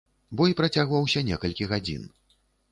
Бой працягваўся некалькі гадзін.